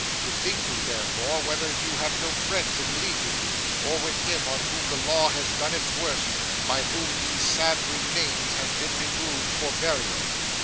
Bethink you, therefore, whether you have no friends in league with you or with him on whom the law has done its worst, by whom these sad remains have been removed for burial.